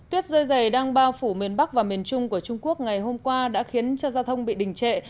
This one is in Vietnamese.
tuyết rơi dày đang bao phủ miền bắc và miền trung của trung quốc ngày hôm qua đã khiến cho giao thông bị đình trệ